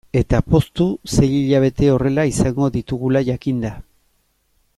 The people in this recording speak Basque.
Eta poztu sei hilabete horrela izango ditugula jakinda.